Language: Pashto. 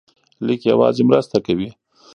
لیک یوازې مرسته کوي.